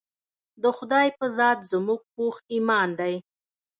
د خدائے پۀ ذات زمونږ پوخ ايمان دے